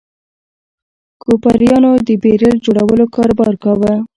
کوپریانو د بیرل جوړولو کاروبار کاوه.